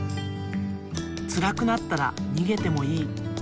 つらくなったらにげてもいい。